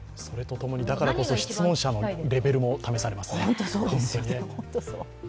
それとともに、だからこそ質問者のレベルも試されますね。